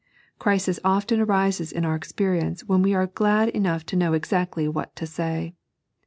Crises often arise in our experience when we are glad enough to know exactly what to say.